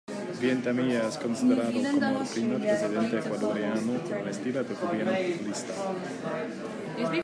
Veintemilla es considerado como el primer presidente ecuatoriano con un estilo de gobierno populista.